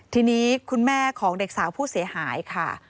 ทีนี้คุณแม่ของเด็กสาวผู้เสียหายค่ะ